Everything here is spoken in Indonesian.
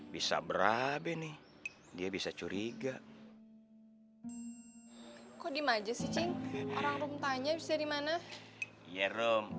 bisa berabe nih dia bisa curiga kok di majes cing orang room tanya bisa dimana ya room